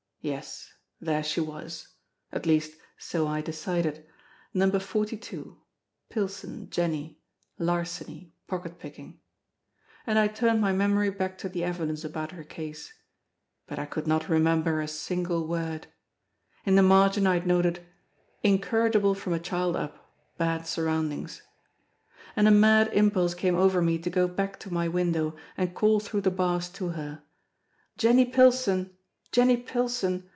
Yes, there she was, at least so I decided: Number 42, "Pilson, Jenny: Larceny, pocket picking." And I turned my memory back to the evidence about her case, but I could not remember a single word. In the margin I had noted: "Incorrigible from a child up; bad surroundings." And a mad impulse came over me to go back to my window and call through the bars to her: "Jenny Pilson! Jenny Pilson!